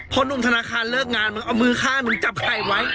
พอหนุ่มธนาคารเลิกงานมึงเอามือฆ่ามึงจับไข่ไว้